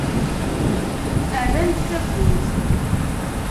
Rran-d tawwurt.